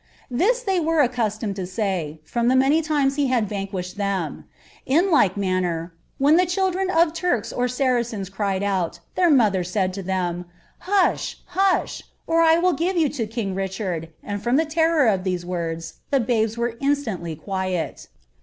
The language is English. This they were accuslomed to say, many times he had vanquished them. In tike manner, when fen of Turks or Saracens cried, their mothers said to ihem, lah! or [ will give yoti lo king Richard; and from ihe terror ITonle the babee were instantly quiet.'"